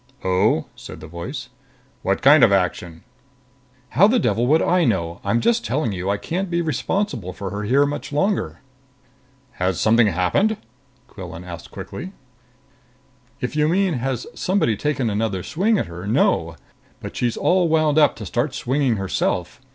"Oh?" said the voice. "What kind of action?" "How the devil would I know? I'm just telling you I can't be responsible for her here much longer." "Has something happened?" Quillan asked quickly. "If you mean has somebody taken another swing at her, no. But she's all wound up to start swinging herself.